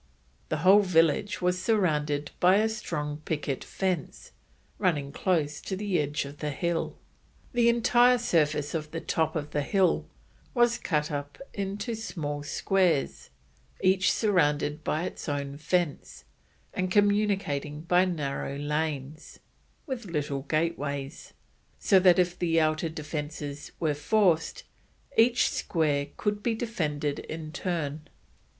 The whole village was surrounded by a strong picket fence, running close to the edge of the hill. The entire surface of the top of the hill was cut up into small squares, each surrounded by its own fence, and communicating by narrow lanes, with little gateways, so that if the outer defences were forced each square could be defended in turn.